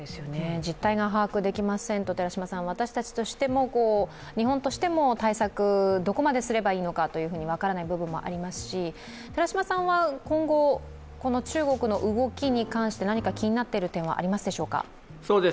実態が把握できませんと私たちとしても日本としても対策、どこまですればいいのか、分からない部分もありますし、寺嶋さんは今後、中国の動きに関して何か気になっている点はありますでしょうか？